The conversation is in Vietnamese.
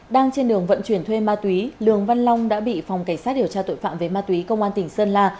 đang trên đường vận chuyển thuê ma túy lường văn long đã bị phòng cảnh sát điều tra tội phạm về ma túy công an tỉnh sơn la